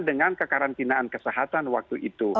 dengan kekarantinaan kesehatan waktu itu